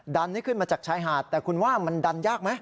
ให้ขึ้นมาจากชายหาดแต่คุณว่ามันดันยากไหม